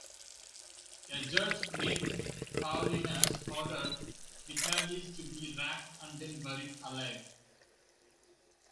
A judge named Paulinus ordered Vitalis to be racked and then buried alive.